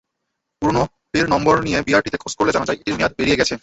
পুরোনোটির নম্বর নিয়ে বিআরটিএতে খোঁজ করলে জানা যায়, এটির মেয়াদ পেরিয়ে গেছে।